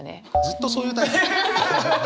ずっとそういうタイプじゃん。